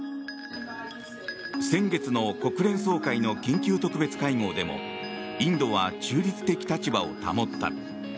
先月の国連総会の緊急特別会合でもインドは中立的立場を保った。